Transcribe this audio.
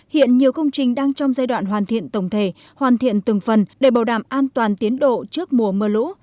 hiện nhiều công trình đang trong giai đoạn hoàn thiện tổng thể hoàn thiện từng phần để bảo đảm an toàn tiến độ trước mùa mưa lũ